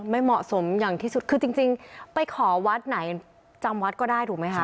ไม่เหมาะสมอย่างที่สุดคือจริงไปขอวัดไหนจำวัดก็ได้ถูกไหมคะ